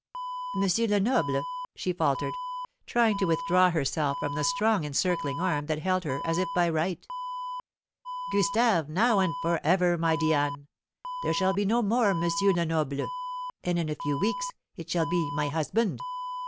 "M. Lenoble," she faltered, trying to withdraw herself from the strong encircling arm that held her, as if by right. "Gustave, now and for ever, my Diane! There shall be no more Monsieur Lenoble. And in a few weeks it shall be 'my husband.'